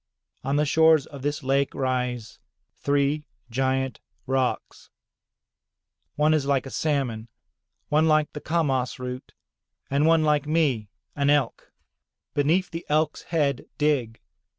On the shores of this lake rise three giant rocks. One is like a salmon, one like the kamas root, and one like me, an Elk. Beneath the Elk's head, dig.